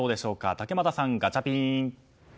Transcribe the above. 竹俣さん、ガチャピン。